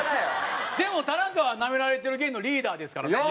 でも田中はナメられてる芸人のリーダーですからね。